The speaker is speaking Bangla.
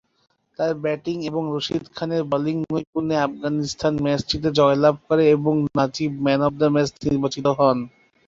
তার ব্যাটিং এবং রশিদ খানের বোলিং নৈপুণ্যে আফগানিস্তান ম্যাচটিতে জয়লাভ করে এবং Najib man of the match নির্বাচিত হন।